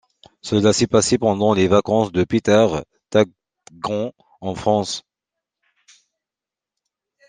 Cela s'est passé pendant les vacances de Peter Tägtgren, en France.